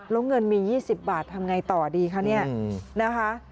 แล้วเงินมี๒๐บาททำอย่างไรต่อดีคะนี่นะคะ